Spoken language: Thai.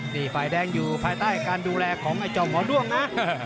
นี่ฝ่ายแดงอยู่ภายใต้การดูแลของไอ้จอมหมอด้วงนะ